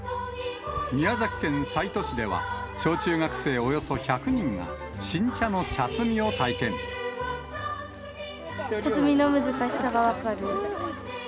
宮崎県西都市では、小中学生およそ１００人が、茶摘みの難しさが分かる。